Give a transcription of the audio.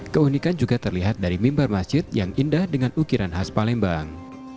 keunikan juga terlihat dari mimbar masjid yang indah dengan ukiran khas palembang